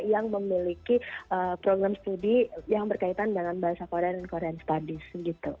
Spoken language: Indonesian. yang memiliki program studi yang berkaitan dengan bahasa korea dan korean studies gitu